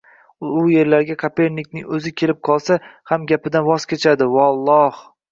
Bu yerlarga Kopernikning o’zi kelib qolsa ham gapidan voz kechardi, voolloh!